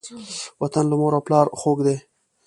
وطن له مور او پلاره خوږ دی.